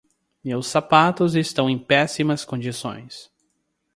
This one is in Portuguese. Meus sapatos estão em péssimas condições.